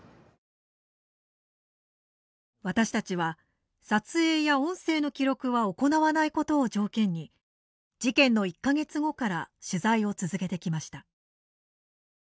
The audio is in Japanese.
私たちは撮影や音声の記録は行わないことを条件に事件の１か月後から取材を続けてきました。